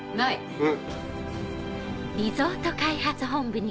うん。